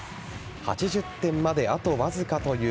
８０点まであとわずかという